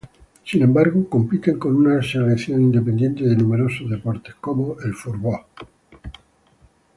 Sin embargo, compiten con una selección independiente en numerosos deportes, como el fútbol.